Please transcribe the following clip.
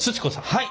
はい。